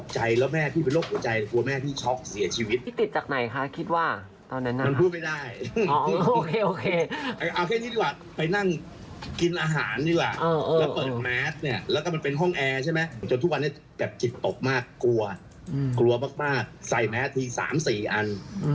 จนทุกวันนี้แบบจิตตกมากกลัวกลัวมากใส่แม้ที๓๔อัน